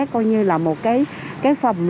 coi như là một cái phòng